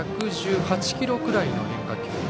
１１８キロくらいの変化球。